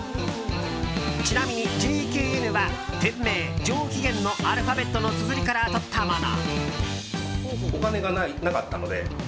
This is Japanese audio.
ちなみにＪＫＮは店名・上気元のアルファベットのつづりからとったもの。